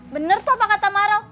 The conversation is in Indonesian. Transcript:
bener tuh apa kata mara